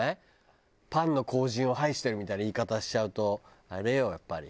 パンの後塵を拝してるみたいな言い方しちゃうとあれよやっぱり。